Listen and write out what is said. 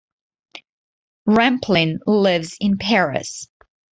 Rampling lives in Paris.